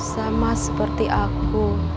sama seperti aku